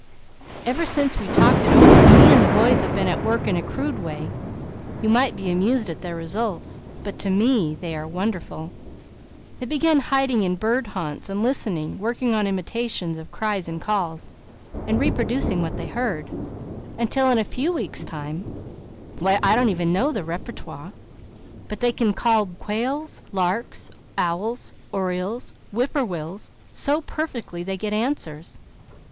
Ever since we talked it over he and the boys have been at work in a crude way; you might be amused at their results, but to me they are wonderful. They began hiding in bird haunts and listening, working on imitations of cries and calls, and reproducing what they heard, until in a few weeks' time why I don't even know their repertoire, but they can call quail, larks, owls, orioles, whip poor wills, so perfectly they get answers.